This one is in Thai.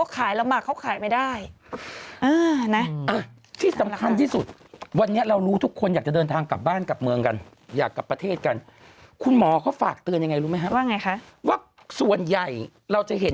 สลากเตือนอย่างไรรู้ไหมครับว่าส่วนใหญ่เราจะเห็น